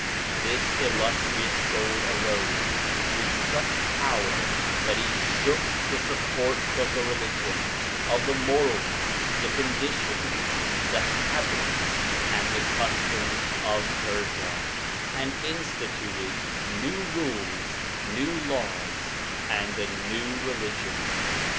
This illustrious soul arose with such power that he shook the supports of the religion, of the morals, the conditions, the habits, and the customs of Persia, and instituted new rules, new laws, and a new religion.